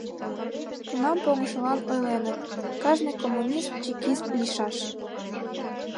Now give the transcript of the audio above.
Тунам погышылан ойленыт: «Кажне коммунист чекист лийшаш».